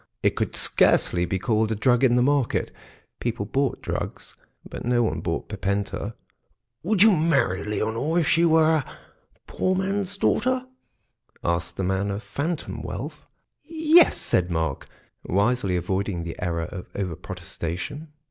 It could scarcely be called a drug in the market; people bought drugs, but no one bought Pipenta. "Would you marry Leonore if she were a poor man's daughter?" asked the man of phantom wealth. "Yes," said Mark, wisely avoiding the error of over protestation.